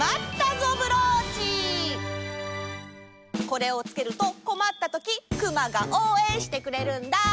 これをつけるとこまったときクマがおうえんしてくれるんだ。